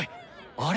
あれ。